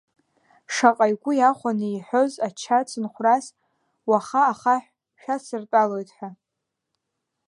Шаҟа игәы иахәаны иҳәоз ача ацынхәрас уаха ахаҳә шәадсыртәалоит ҳәа.